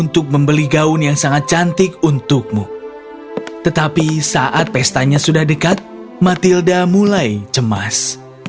tapi saat pestanya sudah dekat matilda mulai cemas